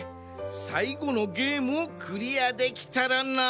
さいごのゲームをクリアできたらな。